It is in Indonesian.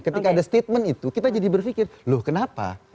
ketika ada statement itu kita jadi berpikir loh kenapa